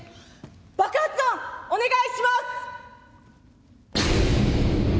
爆発音お願いします。